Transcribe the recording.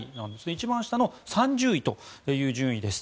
一番下の３０位という順位です。